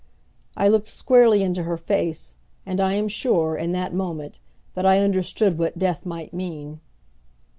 I looked squarely into her face, and I am sure, in that moment, that I understood what death might mean.